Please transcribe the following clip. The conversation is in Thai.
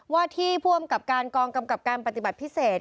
ว่าที่ผู้อำกับการกองกำกับการปฏิบัติพิเศษ